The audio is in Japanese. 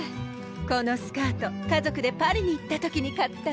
このスカート家族でパリに行った時に買ったの。